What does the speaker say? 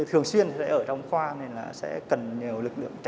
thế thôi các con